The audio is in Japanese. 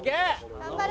頑張れ！